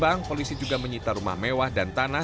di bank polisi juga menyita rumah mewah dan tanah